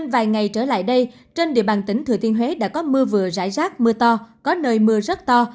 vài ngày trở lại đây trên địa bàn tỉnh thừa thiên huế đã có mưa vừa rải rác mưa to có nơi mưa rất to